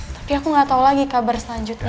tapi aku gak tau lagi kabar selanjutnya